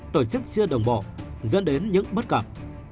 tổ chức chưa đồng bộ dẫn đến những bất cập